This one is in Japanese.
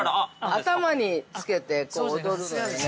◆頭につけて踊るのよね。